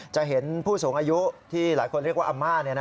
จะเห็นผู้สูงอายุที่หลายคนเรียกว่าอาม่า